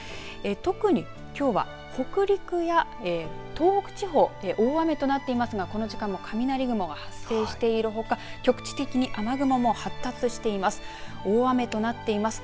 特に、きょうは北陸や東北地方、大雨となっていますがこの時間も雷雲が発生しているほか局地的に雨雲も発達しています。